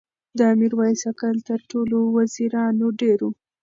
د میرویس عقل تر ټولو وزیرانو ډېر و.